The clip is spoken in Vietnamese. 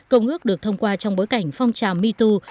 công ước được thông qua trong bối cảnh phong tràm metoo